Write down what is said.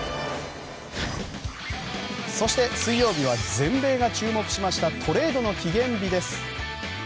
そして、水曜日は全米が注目したトレードの期限日です。